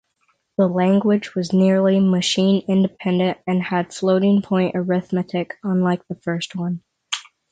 The language was nearly machine-independent and had floating-point arithmetic, unlike the first one.